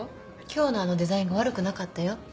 今日のあのデザイン画悪くなかったよ。